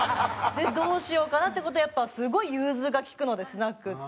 でどうしようかなって事でやっぱすごい融通が利くのでスナックって。